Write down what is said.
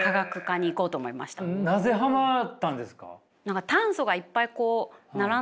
なぜハマったんですか？